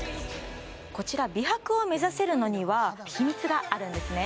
こちら美白を目指せるのには秘密があるんですね